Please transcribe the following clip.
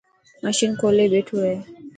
مشِن کولي ٻيٺو هي.